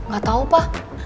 gak tau pa